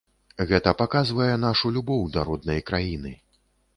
Гэта паказвае нашу любоў да роднай краіны.